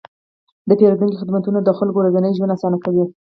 د پیرودونکو خدمتونه د خلکو ورځنی ژوند اسانه کوي.